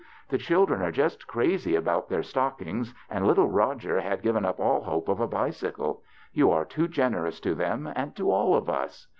The children are just crazy about their stockings, and little Roger had given up all hope of a bicycle. You are too generous to them and to all of us.